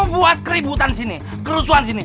lu mau buat keributan sini kerusuhan sini